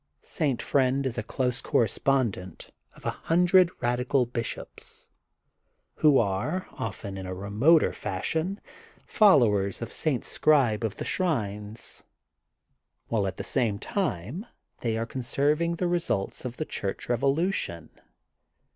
St. Friend is a close correspondent of the hundred radical bishops who kre, often in remoter fashion, followers of St. Sbribe of the Shrines, while at the same time they are conserving the results of the Church Revolu tion.